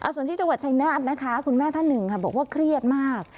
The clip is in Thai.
ส่วนที่จังหวัดชายนาฏนะคะคุณแม่ท่านหนึ่งค่ะบอกว่าเครียดมาก